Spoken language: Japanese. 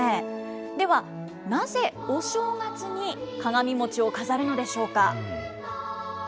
ではなぜお正月に鏡餅を飾るのでしょうか。